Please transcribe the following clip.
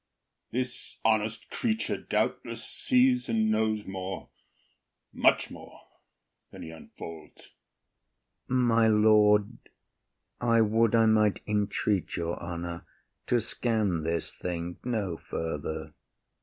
This honest creature doubtless Sees and knows more, much more, than he unfolds. IAGO. [Returning.] My lord, I would I might entreat your honour To scan this thing no further.